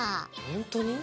ほんとに。